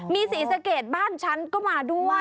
มีศรีสะเกดบ้านฉันก็มาด้วย